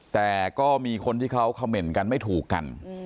แต่ก็มีคนที่เขาเขม่นกันไม่ถูกกัน